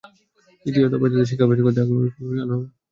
দ্বিতীয় দফায় তাঁদের জিজ্ঞাসাবাদ করতে আগামী রোববার কারাগার থেকে আনা হবে।